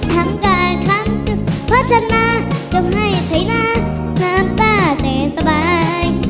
ทั้งการคำจุดพัฒนาทำให้ใส่หน้าห้ามต้าเศรษฐ์สบาย